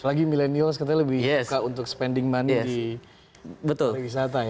lagi millenials katanya lebih suka untuk spending money di pariwisata ya